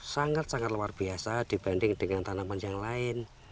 sangat sangat luar biasa dibanding dengan tanaman yang lain